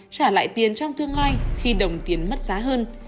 trả lại tiền trong tương lai khi đồng tiền mất giá hơn